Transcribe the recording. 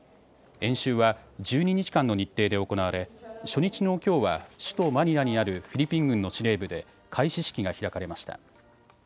演習は１２日間の日程で行われ、初日のきょうは首都マニラにあるフィリピン軍の司令部で開始式が開かれました。